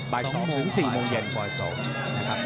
บ่าย๒ถึง๔โมงเย็นบ่าย๒นะครับ